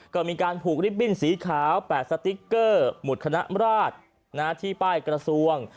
ก็มีการผูกลิฟตบิ้นสีขาว๘สติ๊กเกอร์หมุดคณะราชที่ป้ายกระทรวง